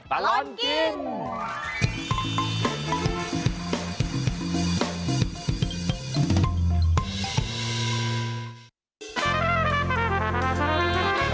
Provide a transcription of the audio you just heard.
ตะลนกิน